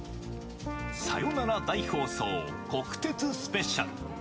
さよなら大放送、国鉄スペシャル。